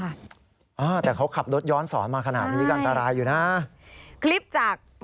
อ้าวแต่เขาขับรถย้อนศรมาขนาดนี้ก็อันตรายอยู่นะ